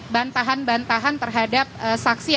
bantahan bantahan terhadap saksi